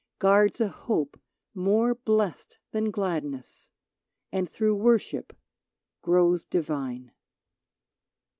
Guards a hope more blest than gladness, And through worship grows divine